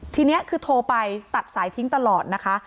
ทีนี้คือโทรไปตัดสายทิ้งตลอดนะคะ